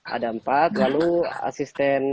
ada empat lalu asisten